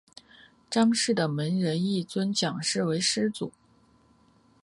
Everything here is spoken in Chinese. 章氏的门人亦尊蒋氏为师祖。